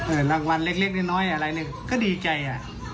เอ่อรางวัลเล็กเล็กน้อยอะไรหนึ่งก็ดีใจอ่ะ